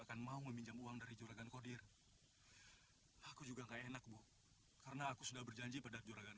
akan mau meminjam uang dari juragan kodir aku juga enggak enak bu karena aku sudah berjanji pada juragan